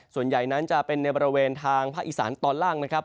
ส่วนใหญ่นั้นจะเป็นในบริเวณทางภาคอีสานตอนล่างนะครับ